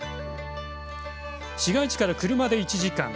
市街地から車で１時間。